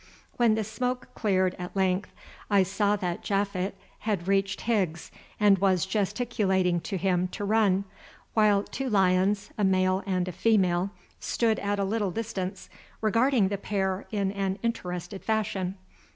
When the smoke cleared at length, I saw that Japhet had reached Higgs, and was gesticulating to him to run, while two lions, a male and a female, stood at a little distance, regarding the pair in an interested fashion.